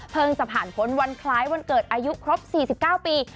จะผ่านพ้นวันคล้ายวันเกิดอายุครบ๔๙ปี